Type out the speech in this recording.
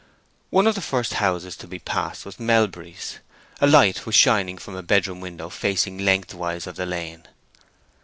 One of the first houses to be passed was Melbury's. A light was shining from a bedroom window facing lengthwise of the lane.